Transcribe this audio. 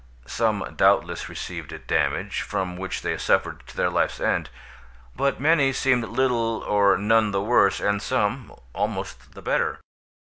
Some doubtless received damage, from which they suffered to their life's end; but many seemed little or none the worse, and some, almost the better.